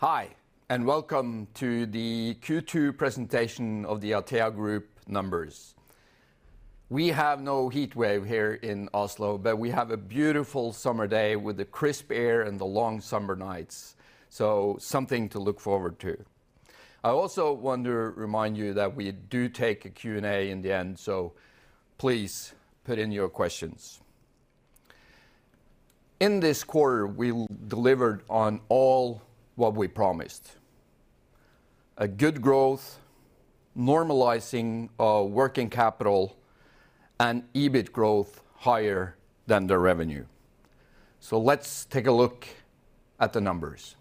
Hi, welcome to the Q2 presentation of the Atea Group numbers. We have no heat wave here in Oslo, we have a beautiful summer day with the crisp air and the long summer nights, so something to look forward to. I also want to remind you that we do take a Q&A in the end, so please put in your questions. In this quarter, we delivered on all what we promised: a good growth, normalizing working capital, and EBIT growth higher than the revenue. Let's take a look at the numbers.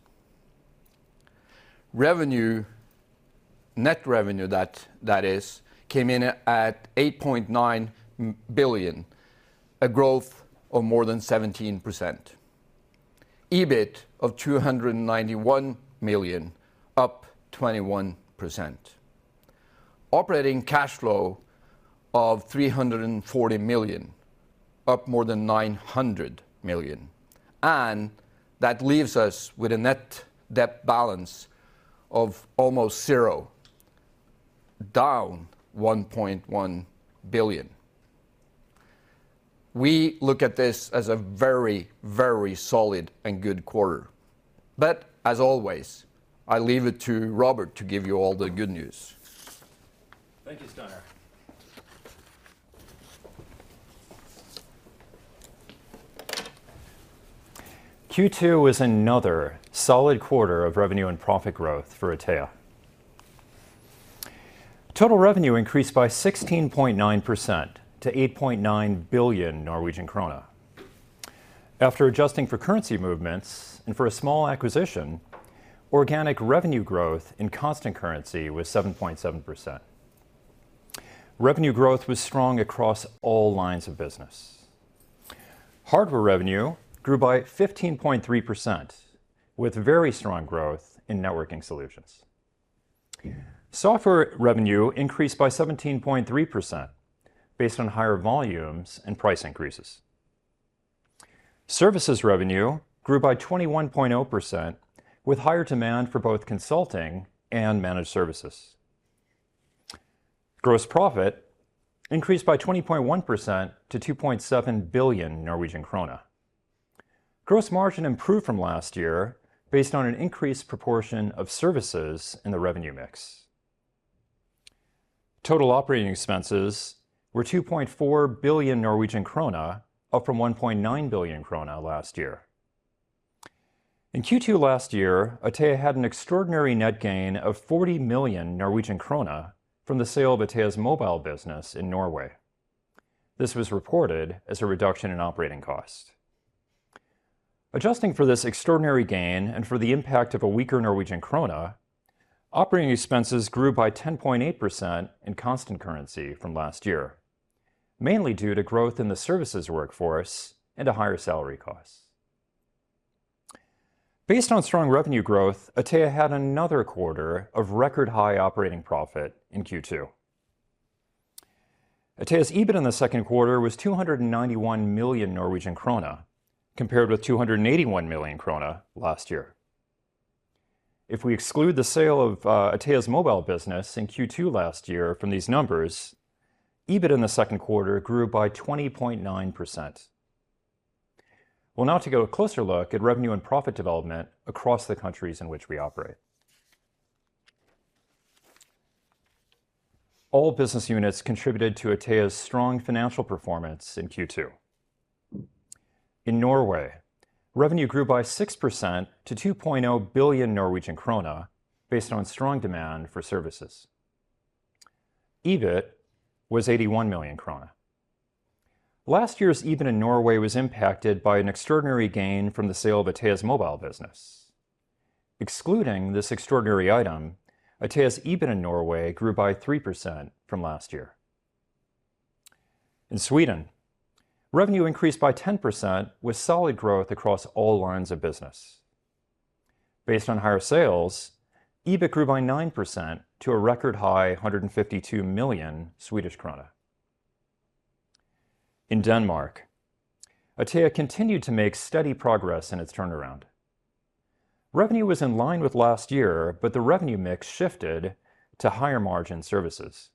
Revenue, net revenue that is, came in at 8.9 billion, a growth of more than 17%. EBIT of 291 million, up 21%. Operating cash flow of 340 million, up more than 900 million, and that leaves us with a net debt balance of almost zero, down 1.1 billion. We look at this as a very, very solid and good quarter, but as always, I leave it to Robert to give you all the good news. Thank you, Steinar. Q2 was another solid quarter of revenue and profit growth for Atea. Total revenue increased by 16.9% to 8.9 billion Norwegian krone. After adjusting for currency movements and for a small acquisition, organic revenue growth in constant currency was 7.7%. Revenue growth was strong across all lines of business. Hardware revenue grew by 15.3%, with very strong growth in networking solutions. Software revenue increased by 17.3% based on higher volumes and price increases. Services revenue grew by 21.0%, with higher demand for both consulting and managed services. Gross profit increased by 20.1% to 2.7 billion Norwegian krone. Gross margin improved from last year based on an increased proportion of services in the revenue mix. Total operating expenses were 2.4 billion Norwegian krone, up from 1.9 billion krone last year. In Q2 last year, Atea had an extraordinary net gain of 40 million Norwegian krone from the sale of Atea's mobile business in Norway. This was reported as a reduction in operating cost. Adjusting for this extraordinary gain and for the impact of a weaker Norwegian krone, operating expenses grew by 10.8% in constant currency from last year, mainly due to growth in the services workforce and to higher salary costs. Based on strong revenue growth, Atea had another quarter of record-high operating profit in Q2. Atea's EBIT in the second quarter was 291 million Norwegian krone, compared with 281 million krone last year. If we exclude the sale of Atea's mobile business in Q2 last year from these numbers, EBIT in the second quarter grew by 20.9%. Well, now to take a closer look at revenue and profit development across the countries in which we operate. All business units contributed to Atea's strong financial performance in Q2. In Norway, revenue grew by 6% to 2.0 billion Norwegian krone, based on strong demand for services. EBIT was 81 million krone. Last year's EBIT in Norway was impacted by an extraordinary gain from the sale of Atea's mobile business. Excluding this extraordinary item, Atea's EBIT in Norway grew by 3% from last year. In Sweden, revenue increased by 10%, with solid growth across all lines of business. Based on higher sales, EBIT grew by 9% to a record high, 152 million Swedish krona. In Denmark, Atea continued to make steady progress in its turnaround. The revenue mix shifted to higher margin services.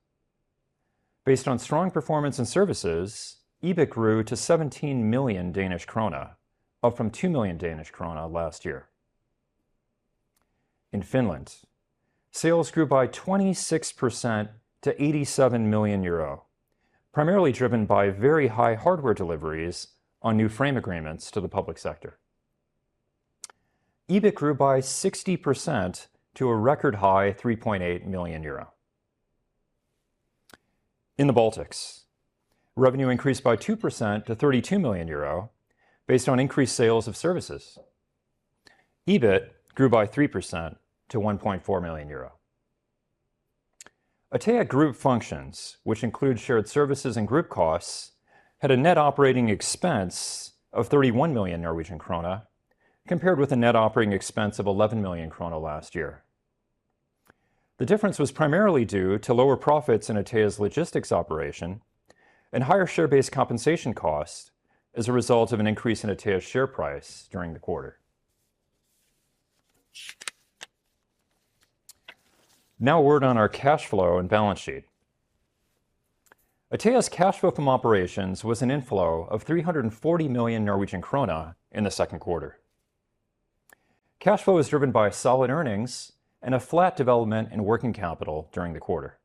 Based on strong performance and services, EBIT grew to 17 million Danish krone, up from 2 million Danish krone last year. In Finland, sales grew by 26% to 87 million euro, primarily driven by very high hardware deliveries on new frame agreements to the public sector. EBIT grew by 60% to a record high, 3.8 million euro. In the Baltics, revenue increased by 2% to 32 million euro based on increased sales of services. EBIT grew by 3% to 1.4 million euro. Atea Group functions, which include shared services and group costs, had a net operating expense of 31 million Norwegian krone, compared with a net operating expense of 11 million krone last year. The difference was primarily due to lower profits in Atea's logistics operation, and higher share-based compensation costs as a result of an increase in Atea's share price during the quarter. Now, a word on our cash flow and balance sheet. Atea's cash flow from operations was an inflow of 340 million Norwegian krone in the second quarter. Cash flow was driven by solid earnings and a flat development in working capital during the quarter.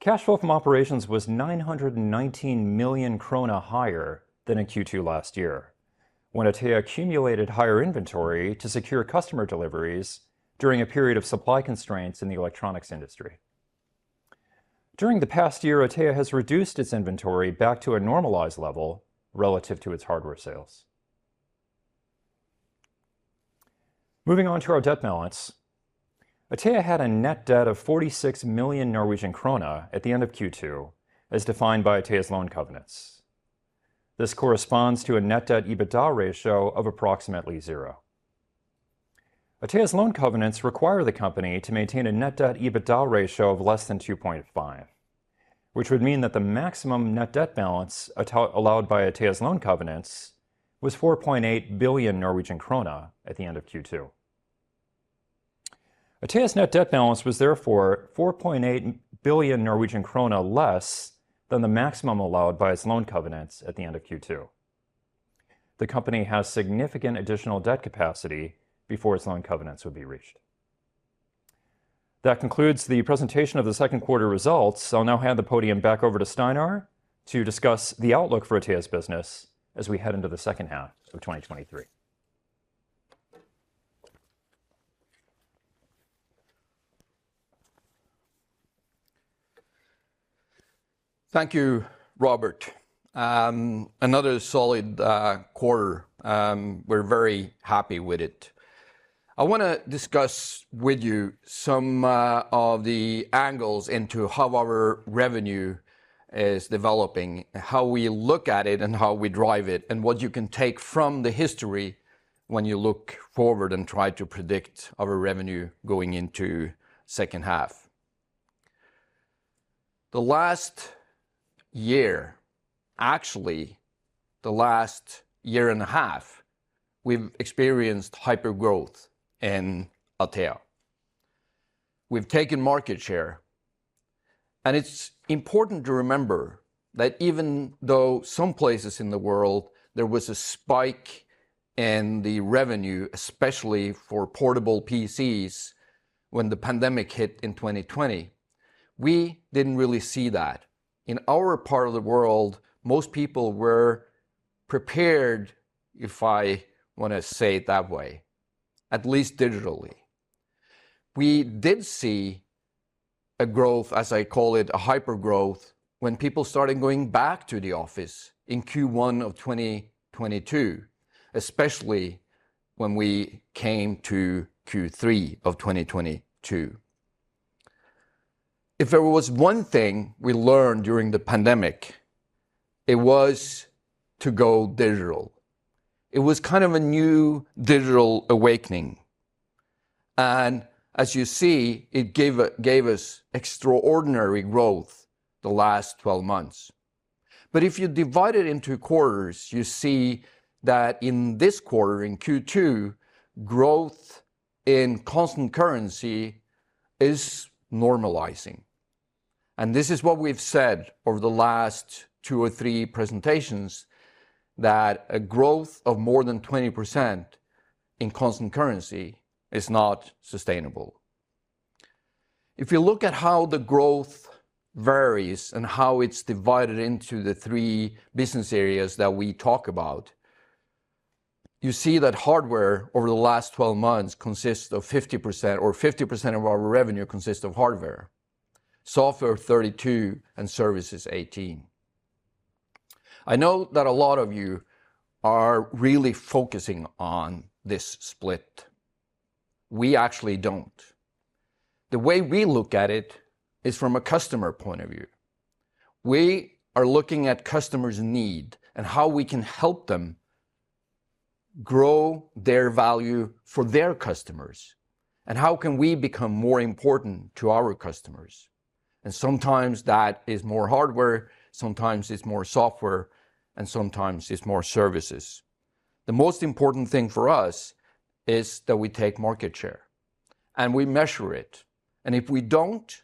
Cash flow from operations was 919 million krone higher than in Q2 last year, when Atea accumulated higher inventory to secure customer deliveries during a period of supply constraints in the electronics industry. During the past year, Atea has reduced its inventory back to a normalized level relative to its hardware sales. Moving on to our debt balance, Atea had a net debt of 46 million Norwegian krone at the end of Q2, as defined by Atea's loan covenants. This corresponds to a net debt/EBITDA ratio of approximately 0. Atea's loan covenants require the company to maintain a net debt/EBITDA ratio of less than 2.5, which would mean that the maximum net debt balance allowed by Atea's loan covenants was 4.8 billion Norwegian krone at the end of Q2. Atea's net debt balance was therefore 4.8 billion Norwegian krone less than the maximum allowed by its loan covenants at the end of Q2. The company has significant additional debt capacity before its loan covenants would be reached. That concludes the presentation of the second quarter results. I'll now hand the podium back over to Steinar to discuss the outlook for Atea's business as we head into the second half of 2023. Thank you, Robert. Another solid quarter. We're very happy with it. I wanna discuss with you some of the angles into how our revenue is developing, how we look at it, and how we drive it, and what you can take from the history when you look forward and try to predict our revenue going into second half. The last year, actually the last year and a half, we've experienced hyper-growth in Atea. We've taken market share. It's important to remember that even though some places in the world there was a spike in the revenue, especially for portable PCs, when the pandemic hit in 2020, we didn't really see that. In our part of the world, most people were prepared, if I want to say it that way, at least digitally. We did see a growth, as I call it, a hyper-growth, when people started going back to the office in Q1 of 2022, especially when we came to Q3 of 2022. If there was one thing we learned during the pandemic, it was to go digital. It was kind of a new digital awakening, as you see, it gave us extraordinary growth the last 12 months. If you divide it into quarters, you see that in this quarter, in Q2, growth in constant currency is normalizing. This is what we've said over the last two or three presentations, that a growth of more than 20% in constant currency is not sustainable. If you look at how the growth varies and how it's divided into the three business areas that we talk about, you see that hardware over the last 12 months consists of 50%, or 50% of our revenue consists of hardware. Software 32%, and services 18%. I know that a lot of you are really focusing on this split. We actually don't. The way we look at it is from a customer point of view. We are looking at customers' need and how we can help them grow their value for their customers, and how can we become more important to our customers. Sometimes that is more hardware, sometimes it's more software, and sometimes it's more services. The most important thing for us is that we take market share, and we measure it, and if we don't,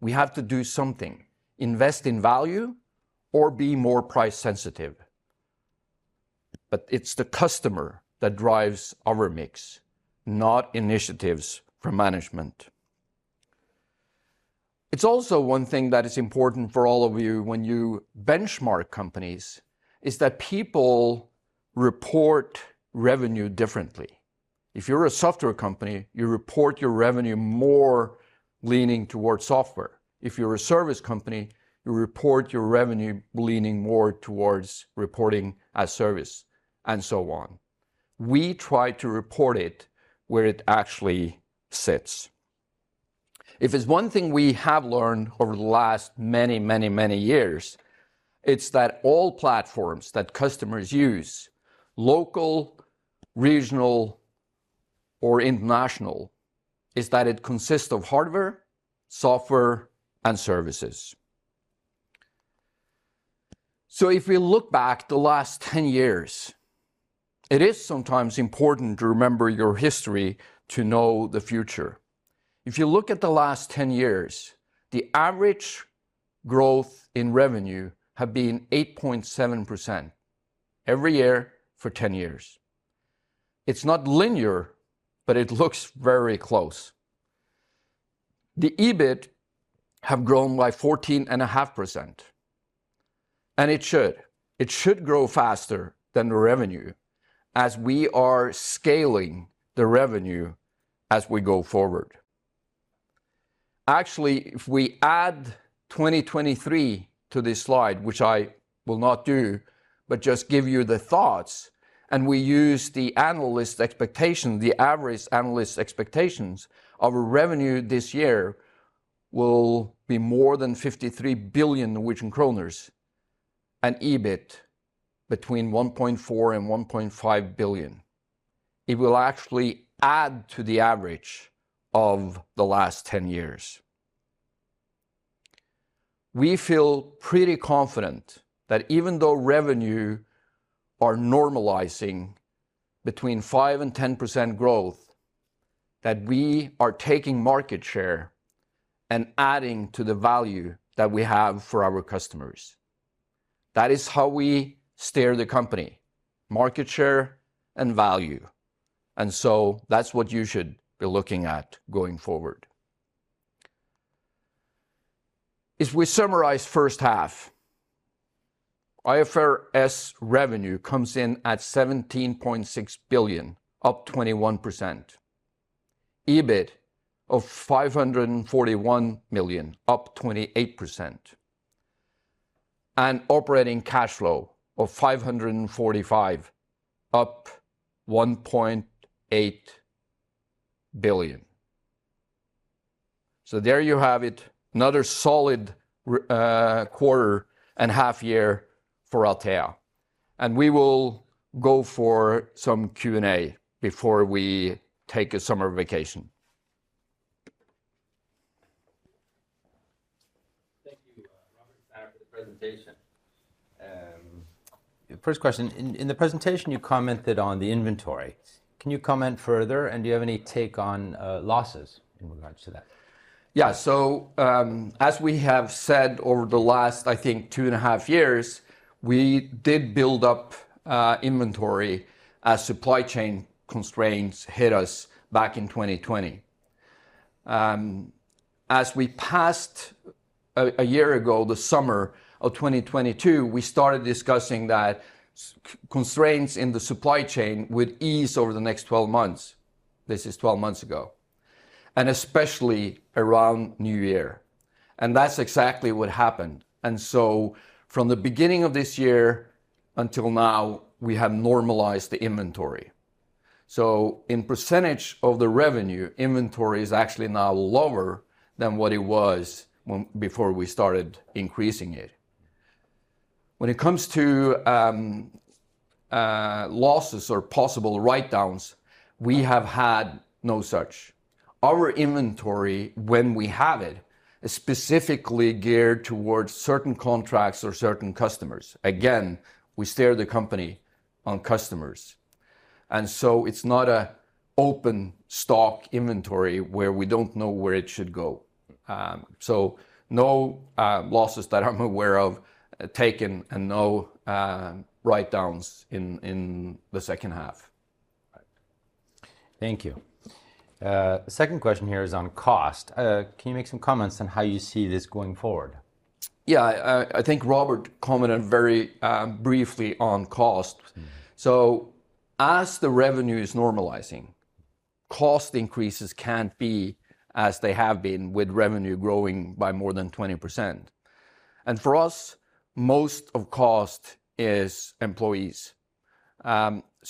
we have to do something, invest in value or be more price sensitive. It's the customer that drives our mix, not initiatives from management. It's also one thing that is important for all of you when you benchmark companies, is that people report revenue differently. If you're a software company, you report your revenue more leaning towards software. If you're a service company, you report your revenue leaning more towards reporting as service, and so on. We try to report it where it actually sits. If there's one thing we have learned over the last many, many, many years, it's that all platforms that customers use, local, regional, or international, is that it consists of hardware, software, and services. If we look back the last 10 years, it is sometimes important to remember your history to know the future. If you look at the last 10 years, the average growth in revenue have been 8.7% every year for 10 years. It's not linear, but it looks very close. The EBIT have grown by 14.5%, and it should. It should grow faster than the revenue, as we are scaling the revenue as we go forward. Actually, if we add 2023 to this slide, which I will not do, but just give you the thoughts, and we use the analyst expectation, the average analyst expectations of revenue this year will be more than 53 billion Norwegian kroner, and EBIT between 1.4 billion-1.5 billion. It will actually add to the average of the last 10 years. We feel pretty confident that even though revenue are normalizing between 5% and 10% growth, that we are taking market share and adding to the value that we have for our customers. That is how we steer the company, market share and value, that's what you should be looking at going forward. If we summarize first half, IFRS revenue comes in at 17.6 billion, up 21%. EBIT of 541 million, up 28%, and operating cash flow of 545 million, up 1.8 billion. There you have it, another solid quarter and half year for Atea, and we will go for some Q&A before we take a summer vacation. Thank you, Robert, for the presentation. First question, in the presentation, you commented on the inventory. Can you comment further, and do you have any take on losses in regards to that? Yeah. As we have said over the last, I think, two and a half years, we did build up inventory as supply chain constraints hit us back in 2020. As we passed a year ago, the summer of 2022, we started discussing that constraints in the supply chain would ease over the next 12 months, this is 12 months ago, and especially around New Year, and that's exactly what happened. From the beginning of this year until now, we have normalized the inventory. In % of the revenue, inventory is actually now lower than what it was when before we started increasing it. When it comes to losses or possible write-downs, we have had no such. Our inventory, when we have it, is specifically geared towards certain contracts or certain customers. We steer the company on customers, and so it's not a open stock inventory where we don't know where it should go. No, losses that I'm aware of taken and no, write-downs in the second half. Right. Thank you. Second question here is on cost. Can you make some comments on how you see this going forward? Yeah, I think Robert commented very briefly on cost. As the revenue is normalizing, cost increases can't be as they have been with revenue growing by more than 20%, and for us, most of cost is employees.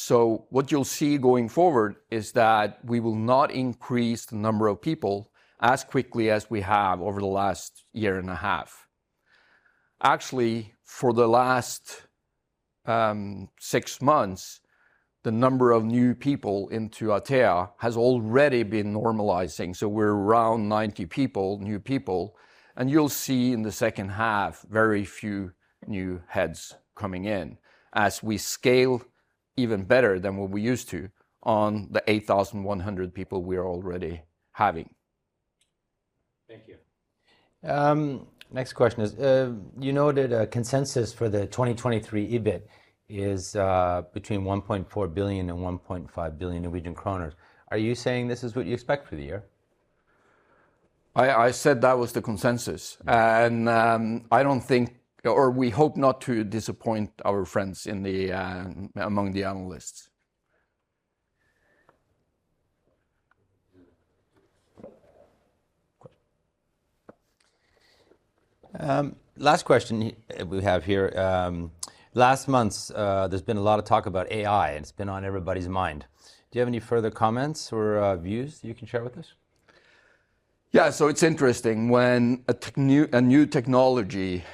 What you'll see going forward is that we will not increase the number of people as quickly as we have over the last year and a half. Actually, for the last six months, the number of new people into Atea has already been normalizing, so we're around 90 people, new people, and you'll see in the second half, very few new heads coming in, as we scale even better than what we used to on the 8,100 people we are already having. Thank you. Next question is, you noted a consensus for the 2023 EBIT is, between 1.4 billion and 1.5 billion Norwegian kroner. Are you saying this is what you expect for the year? I said that was the consensus, and I don't think, or we hope not to disappoint our friends in the among the analysts. Last question we have here, last month's, there's been a lot of talk about AI, and it's been on everybody's mind. Do you have any further comments or views you can share with us? Yeah, it's interesting when a new technology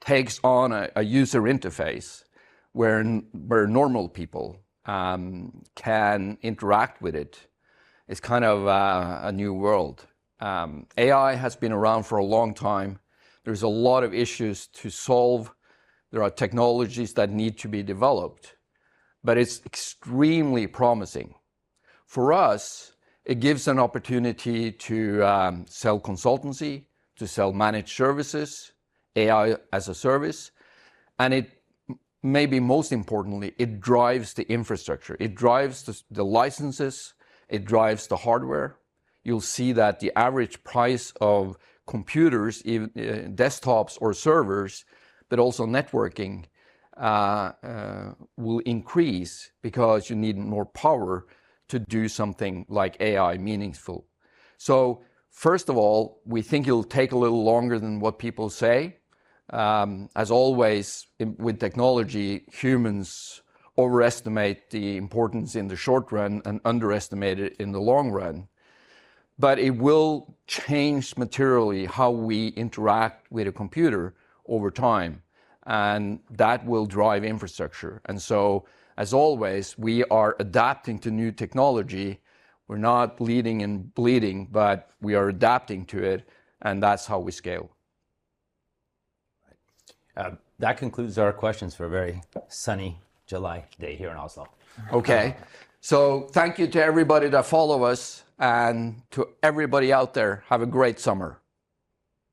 takes on a user interface where normal people can interact with it. It's kind of a new world. AI has been around for a long time. There's a lot of issues to solve. There are technologies that need to be developed, it's extremely promising. For us, it gives an opportunity to sell consultancy, to sell managed services, AI as a service. Maybe most importantly, it drives the infrastructure. It drives the licenses, it drives the hardware. You'll see that the average price of computers, desktops or servers, but also networking, will increase because you need more power to do something like AI meaningful. First of all, we think it'll take a little longer than what people say. As always, with technology, humans overestimate the importance in the short run and underestimate it in the long run. It will change materially how we interact with a computer over time, and that will drive infrastructure. As always, we are adapting to new technology. We're not leading and bleeding, but we are adapting to it, and that's how we scale. Right. That concludes our questions for a very sunny July day here in Oslo. Okay. Thank you to everybody that follow us, and to everybody out there, have a great summer.